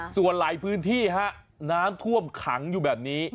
ส่วนหลายพื้นที่ฮะน้ำท่วมขังอยู่แบบนี้